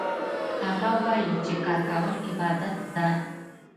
هغه وایي چې کار کول عبادت ده